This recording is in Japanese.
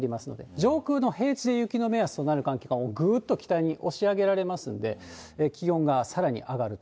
上空で平地で雪の目安となる寒気がぐっと北に押し上げられますんで、気温がさらに上がると。